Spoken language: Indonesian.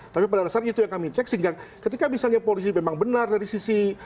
tapi pada dasarnya itu yang kami cek sehingga ketika misalnya polisi memang benar dari sisi